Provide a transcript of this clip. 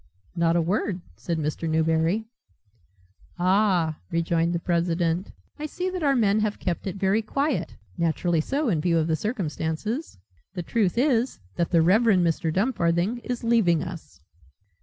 "Not a word," said Mr. Newberry. "Ah," rejoined the president, "I see that our men have kept it very quiet naturally so, in view of the circumstances. The truth is that the Reverend Mr. Dumfarthing is leaving us."